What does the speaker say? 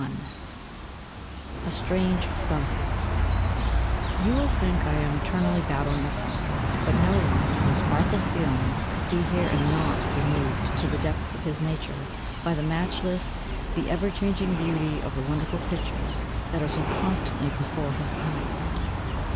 VIII A STRANGE SUNSET You will think I am eternally babbling of sunsets, but no one, with a spark of feeling, could be here and not be moved to the depths of his nature by the matchless, the ever changing beauty of the wonderful pictures that are so constantly before his eyes.